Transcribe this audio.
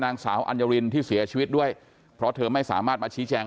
นางสาวอัญรินที่เสียชีวิตด้วยเพราะเธอไม่สามารถมาชี้แจง